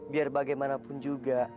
biar bagaimanapun juga